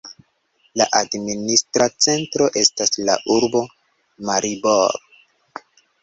La administra centro estas la urbo Maribor.